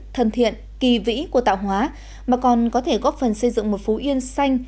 thân thiện kỳ vĩ của tạo hóa mà còn có thể góp phần xây dựng một phú yên xanh